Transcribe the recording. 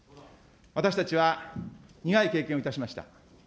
私たちは苦い経験をいたしました。